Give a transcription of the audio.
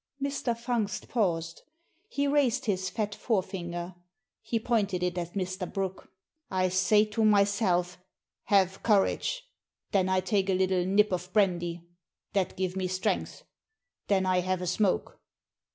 Mr. Fungst paused. He raised his fat forefinger. He pointed it at Mr. Brooke. "I say to myself, ' Have courage.' Then I take a little nip of brandy. That give me strength. Then I have a smoke.